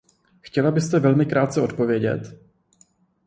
Chtěla byste velmi krátce odpovědět?